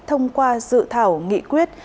thông qua dự thảo nghị quyết